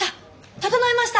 整いました！